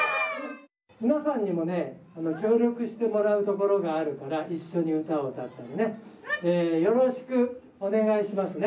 皆さんにもね協力してもらうところがあるから一緒に歌を歌ったりねよろしくお願いしますね。